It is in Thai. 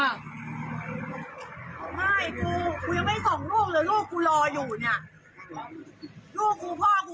แล้วก็มีการถ่ายคลิปเจ้าหน้าที่ที่อยู่ที่ด่านตรงนี้ไว้ด้วย